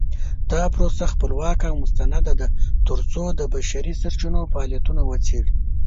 دا پروسه خپلواکه او مستنده ده ترڅو د بشري سرچینو فعالیتونه وڅیړي.